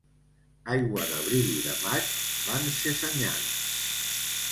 Aigua d'abril i de maig fan ses anyades.